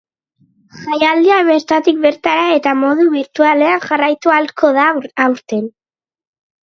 Jaialdia bertatik bertara eta modu birtualean jarraitu ahalko da aurten.